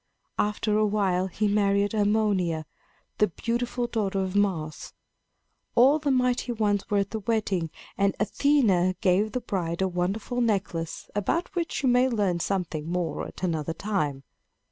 After a while he married Harmonia, the beautiful daughter of Mars. All the Mighty Ones were at the wedding; and Athena gave the bride a wonderful necklace about which you may learn something more at another time.